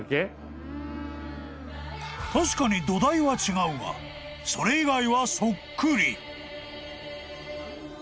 ［確かに土台は違うがそれ以外はそっくり］